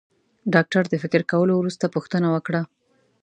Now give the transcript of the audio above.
ډاکټر د فکر کولو وروسته پوښتنه وکړه.